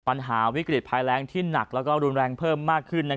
ปัญหาวิกฤตภายแรงที่หนักและรุนแรงเพิ่มมากขึ้น